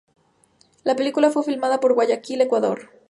La película fue filmada en Guayaquil, Ecuador.